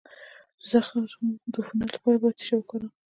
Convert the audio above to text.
د زخم د عفونت لپاره باید څه شی وکاروم؟